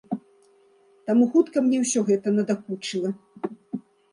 Таму хутка мне ўсё гэта надакучыла.